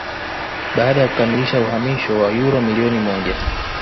baada ya kukamilisha uhamisho wa uro milioni moja